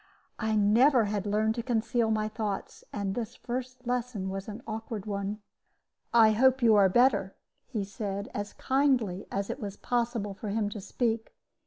I never had learned to conceal my thoughts, and this first lesson was an awkward one. "I hope you are better," he said, as kindly as it was possible for him to speak.